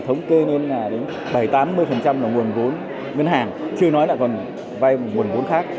thống kê nên là đến bảy mươi tám mươi là nguồn vốn ngân hàng chưa nói là còn vay nguồn vốn khác